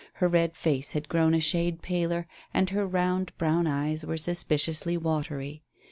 Her red face had grown a shade paler, and her round, brown eyes were suspiciously watery.